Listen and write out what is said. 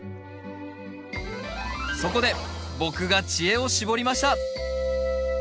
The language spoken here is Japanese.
そこで僕が知恵を絞りました！